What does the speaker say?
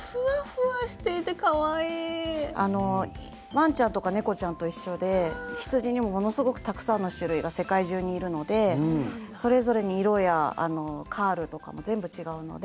わんちゃんとか猫ちゃんと一緒で羊にもものすごくたくさんの種類が世界中にいるのでそれぞれに色やカールとかも全部違うので。